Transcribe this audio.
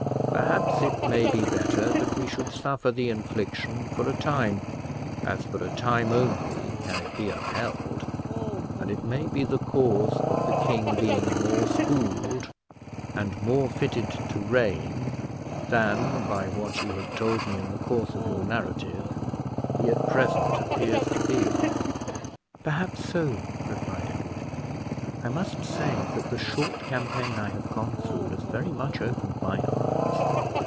Perhaps it may be better that we should suffer the infliction for a time, as for a time only can it be upheld, and it may be the cause of the king being more schooled and more fitted to reign than, by what you have told me in the course of your narrative, he at present appears to be." "Perhaps so, sir," replied Edward. "I must say that the short campaign I have gone through has very much opened my eyes.